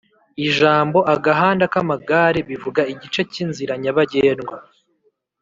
Ijambo "agahanda k'amagare" bivuga igice cy'inzira nyabagendwa